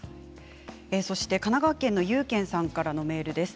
神奈川県の方からのメールです。